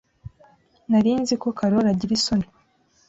Nari nzi ko Karoli agira isoni.